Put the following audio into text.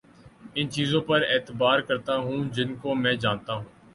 ان چیزوں پر اعتبار کرتا ہوں جن کو میں جانتا ہوں